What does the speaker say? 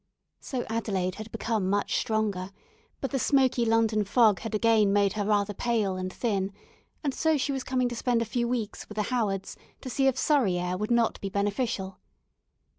So Adelaide had become much stronger, but the smoky London fog had again made her rather pale and thin, and so she was coming to spend a few weeks with the Howards, to see if Surrey air would not be beneficial.